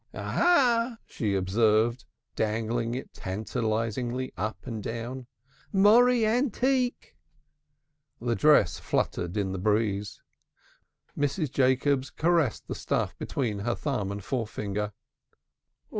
"Aha," she observed, dangling it tantalizingly up and down. "Morry antique!" The dress fluttered in the breeze. Mrs. Jacobs caressed the stuff between her thumb and forefinger.